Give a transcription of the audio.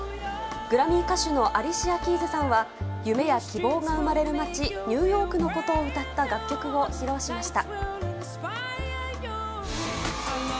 グラミー歌手のアリシア・キーズさんは夢や希望が生まれる街ニューヨークのことを歌った楽曲を披露しました。